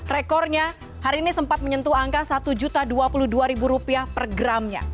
rekornya hari ini sempat menyentuh angka rp satu dua puluh dua per gramnya